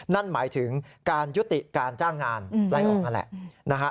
นั่นหมายถึงการยุติการจ้างงานไล่ออกนั่นแหละนะฮะ